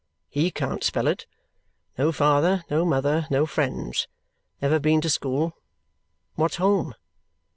HE can't spell it. No father, no mother, no friends. Never been to school. What's home?